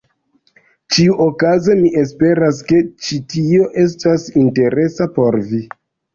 Ĉiuokaze mi esperas, ke ĉi tio estas interesa por vi.